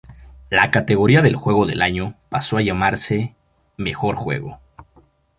La categoría del juego del año pasó a llamarse e "Mejor Juego".